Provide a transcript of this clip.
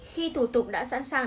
khi thủ tục đã sẵn sàng